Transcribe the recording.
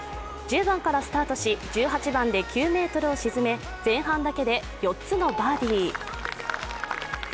１０番からスタートし１８番で９ｍを沈め前半だけで４つのバーディー。